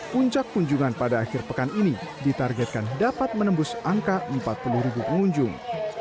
puncak kunjungan pada akhir pekan ini ditargetkan dapat menembus angka empat puluh ribu pengunjung